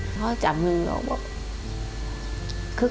พ่อจำนึงแล้วว่า